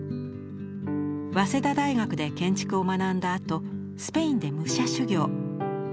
早稲田大学で建築を学んだあとスペインで武者修行。